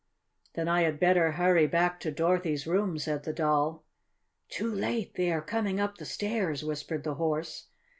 "Then I had better hurry back to Dorothy's room," said the Doll. "Too late! They are coming up the stairs," whispered the Horse.